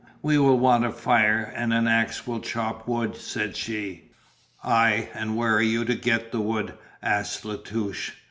"We will want a fire and an axe will chop wood," said she. "Ay, and where are you to get the wood?" asked La Touche.